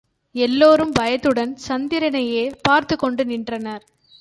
எல்லோரும் பயத்துடன் சந்திரனையே பார்த்துக்கொண்டு நின்றனர்.